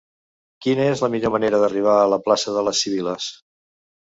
Quina és la millor manera d'arribar a la plaça de les Sibil·les?